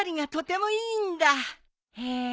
へえ！